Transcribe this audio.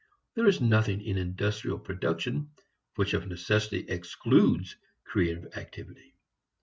There is nothing in industrial production which of necessity excludes creative activity.